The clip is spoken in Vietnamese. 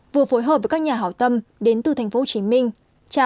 vừa phối hợp với các nhà hảo tâm đến từ thành phố hồ chí minh